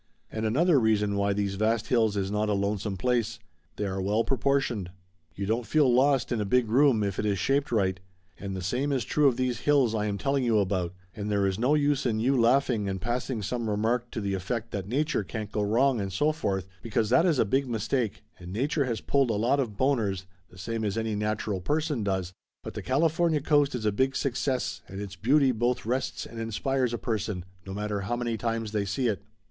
And another reason why these vast hills is not a lonesome place. They are well proportioned. You don't feel lost in a big room if it is shaped right. And the same is true of these hills I am telling you about, and there is no use in you laughing and passing some remark to 324 Laughter Limited the effect that Nature can't go wrong and so forth, be cause that is a big mistake and Nature has pulled a lot of boners the same as any natural person does, but the California coast is a big success, and its beauty both rests and inspires a person, no matter how many times they see it.